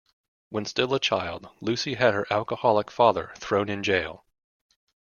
When still a child, Lucy had her alcoholic father thrown in jail.